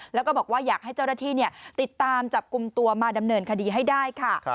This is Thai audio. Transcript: แล้วก็บอกว่าอยากให้เจ้าหน้าที่ติดตามจับกลุ่มตัวมาดำเนินคดีให้ได้ค่ะ